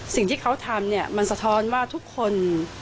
สิ่งที่เขาทำเนี่ยมันสะท้อนว่าทุกคน